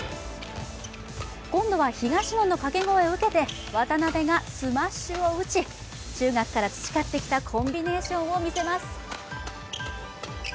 今度は東野の掛け声を受けて渡辺がスマッシュを打ち、中学から培ってきたコンビネーションを見せます。